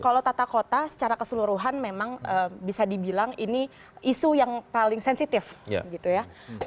kalau tata kota secara keseluruhan memang bisa dibilang ini isu yang paling sensitif gitu ya